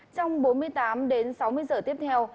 trong bốn mươi tám đến sáu mươi giờ tiếp theo